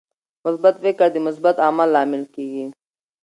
مثبت فکر د مثبت عمل لامل کیږي.